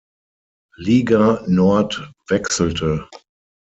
Liga Nord wechselte.